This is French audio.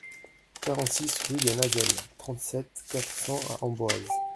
quarante-six rue de Nazelles, trente-sept, quatre cents à Amboise